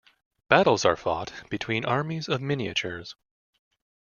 Battles are fought between armies of miniatures.